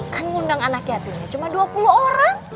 kan ngundang anak yatimnya cuma dua puluh orang